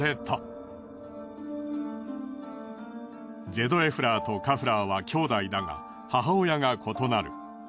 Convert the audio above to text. ジェドエフラーとカフラーは兄弟だが母親が異なる。